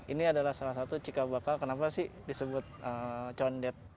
ini adalah salah satu cikal bakal kenapa sih disebut condet